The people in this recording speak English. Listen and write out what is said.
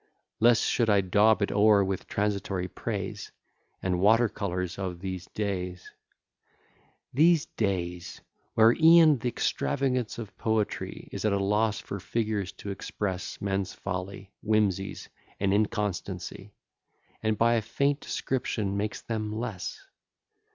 Less should I daub it o'er with transitory praise, And water colours of these days: These days! where e'en th'extravagance of poetry Is at a loss for figures to express Men's folly, whimseys, and inconstancy, And by a faint description makes them less.